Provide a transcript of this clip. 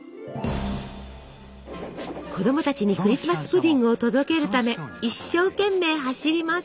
子供たちにクリスマス・プディングを届けるため一生懸命走ります。